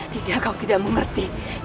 tidak kau tidak mengerti